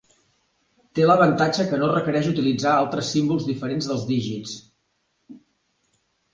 Té l'avantatge que no requereix utilitzar altres símbols diferents dels dígits.